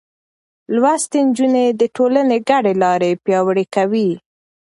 لوستې نجونې د ټولنې ګډې لارې پياوړې کوي.